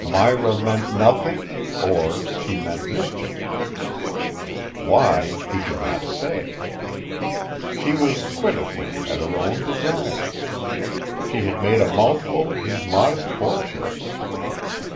Myra meant nothing or she meant mischief. Why, he could not say. She was quit of him at her own desire. She had made a mouthful of his modest fortune.